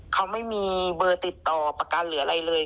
เขาไม่มีเบอร์ติดต่อประกันหรืออะไรเลย